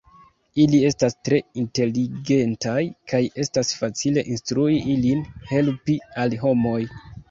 Ili estas tre inteligentaj, kaj estas facile instrui ilin helpi al homoj.